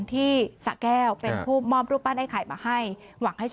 ที่ศะแก้วเป็นผู้ม่อมรูปปั้นไอ้ไข่มาให้